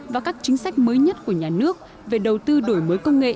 và các chính sách mới nhất của nhà nước về đầu tư đổi mới công nghệ